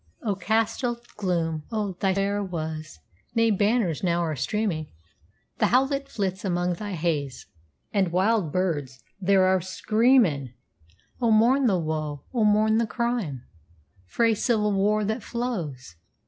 Oh Castell Gloom! on thy fair wa's Nae banners now are streamin'; The howlit flits amang thy ha's, And wild birds there are screamin'. Oh, mourn the woe! oh, mourn the crime Frae civil war that flows!